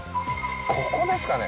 ここですかね？